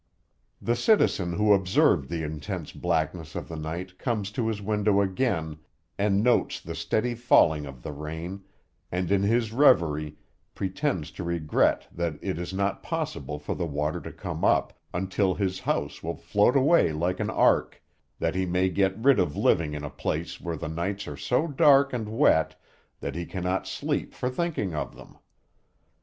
The citizen who observed the intense blackness of the night comes to his window again, and notes the steady falling of the rain, and in his reverie pretends to regret that it is not possible for the water to come up until his house will float away like an ark, that he may get rid of living in a place where the nights are so dark and wet that he cannot sleep for thinking of them.